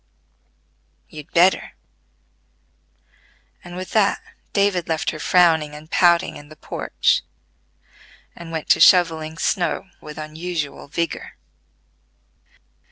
"You'd better," and with that David left her frowning and pouting in the porch, and went to shovelling snow with unusual vigor.